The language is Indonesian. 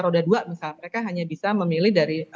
roda dua misalnya mereka hanya bisa memilih dari